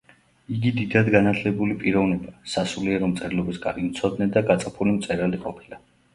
იგი დიდად განათლებული პიროვნება, სასულიერო მწერლობის კარგი მცოდნე და გაწაფული მწერალი ყოფილა.